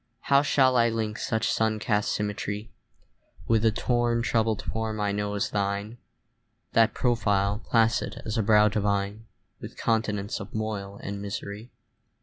How shall I link such sun cast symmetry With the torn troubled form I know as thine, That profile, placid as a brow divine, With continents of moil and misery?